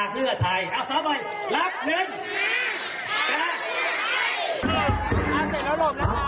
หลบหลบหลบ